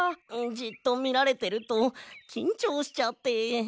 じっとみられてるときんちょうしちゃって。